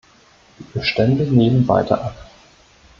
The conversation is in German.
Die Bestände nehmen weiter ab.